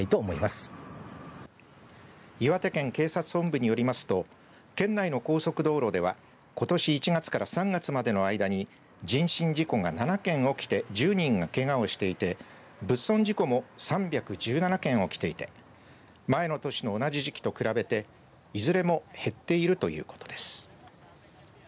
岩手県警察本部によりますと県内の高速道路ではことし１月から３月までの間に人身事故が７件起きて１０人がけがをしていて物損事故も３１７件起きていて前の年の同じ時期と比べていずれも減っているということです。